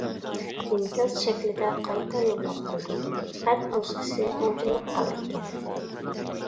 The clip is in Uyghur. ئىنكاس شەكلىدە قايتا يوللاپ قويدۇم، خەت نۇسخىسى ئوڭشىلىپ قالىدىكەن.